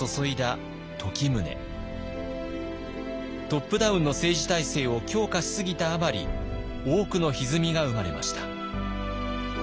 トップダウンの政治体制を強化しすぎたあまり多くのひずみが生まれました。